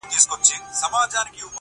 د جهاني زړګیه کله به ورځو ورپسي!